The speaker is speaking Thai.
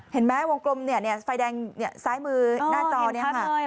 เห็นไหมวงกลมเนี่ยไฟแดงซ้ายมือหน้าจอนี้ค่ะ